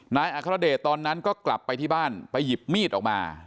อัครเดชตอนนั้นก็กลับไปที่บ้านไปหยิบมีดออกมา